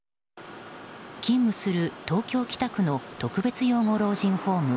勤務する東京・北区の特別養護老人ホーム